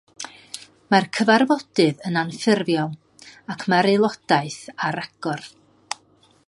Mae'r cyfarfodydd yn anffurfiol, ac mae'r aelodaeth ar agor.